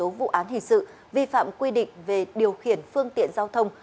cơ quan cảnh sát điều tra công an hình sự vi phạm quy định về điều khiển phương tiện giao thông